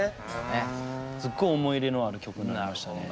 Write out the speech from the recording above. すごい思い入れのある曲になりましたね。